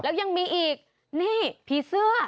แล้วยังมีอีกนี่ผีเสื้อ